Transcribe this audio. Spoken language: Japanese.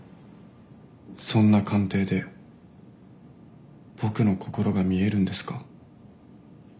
そんな鑑定で僕の心が見えるんですか？